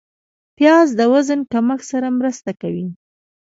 پیاز د وزن کمښت سره مرسته کوي